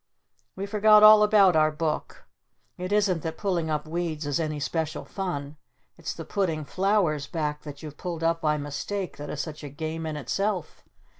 We forgot all about our book. It isn't that pulling up weeds is any special fun. It's the putting flowers back that you've pulled up by mistake that is such a Game in itself.